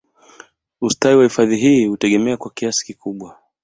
Ustawi wa hifadhi hii hutegemea kwa kiasi kikubwa